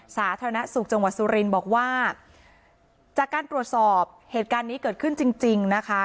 สาธารณสุขจังหวัดสุรินทร์บอกว่าจากการตรวจสอบเหตุการณ์นี้เกิดขึ้นจริงจริงนะคะ